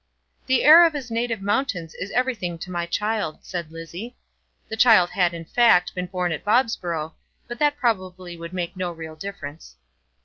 "The air of his native mountains is everything to my child," said Lizzie. The child had, in fact, been born at Bobsborough, but that probably would make no real difference.